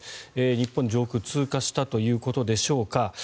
日本上空通過したということでしょうか。